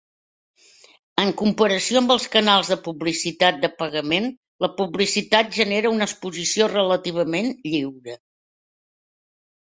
En comparació amb els canals de publicitat de pagament, la publicitat genera una exposició relativament "lliure".